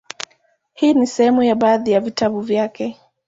Hii ni sehemu ya baadhi ya vitabu vyake;